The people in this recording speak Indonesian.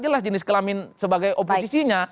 jelas jenis kelamin sebagai oposisinya